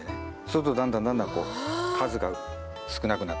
するとだんだんだんだんこう数が少なくなってきますんで。